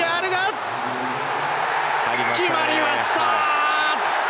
決まりました！